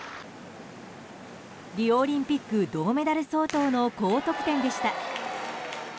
リオオリンピック銅メダル相当の高得点でした。